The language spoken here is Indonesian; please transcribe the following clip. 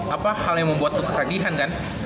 apa hal yang membuat tuh ketagihan kan